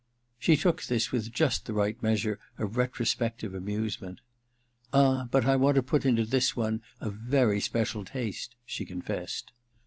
She took this with just the right measure of retrospective amusement. * Ah, but I want to put into this one a very special taste,' she confessed.